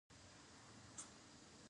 پاچا تل خپلې پرېکړې په ولس باندې تپي.